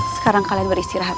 sekarang kalian beristirahat